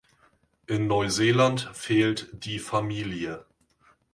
In Neuseeland fehlt die Familie.